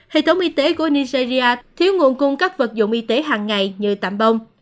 hệ thống y tế của nigeria thiếu nguồn cung các vật dụng y tế hàng ngày như tạm bong